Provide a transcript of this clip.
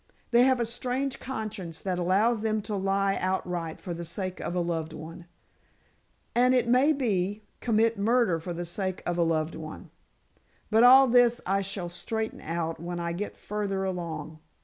They have a strange conscience that allows them to lie outright for the sake of a loved one. And, it may be, commit murder for the sake of a loved one! But all this I shall straighten out when I get further along.